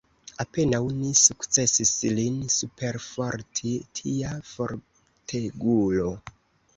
Apenaŭ ni sukcesis lin superforti, tia fortegulo!